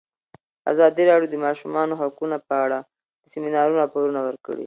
ازادي راډیو د د ماشومانو حقونه په اړه د سیمینارونو راپورونه ورکړي.